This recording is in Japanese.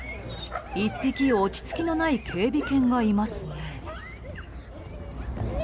１匹、落ち着きのない警備犬がいますね。